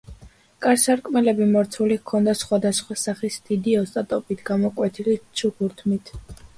კარ-სარკმლები მორთული ჰქონდა სხვადასხვა სახის დიდი ოსტატობით გამოკვეთილი ჩუქურთმით.